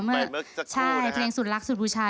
ไปเหมือนกันสักครู่นะครับใช่เพลงสุดรักสุดบุญชา